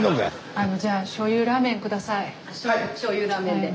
あのじゃあしょうゆラーメンで。